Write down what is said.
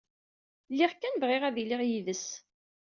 Lliɣ kan bɣiɣ ad iliɣ yid-s.